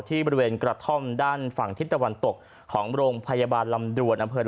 ที่บริเวณกระท่อมด้านฝั่งทิศตะวันตกของโรงพยาบาลลำดวนอำเภอ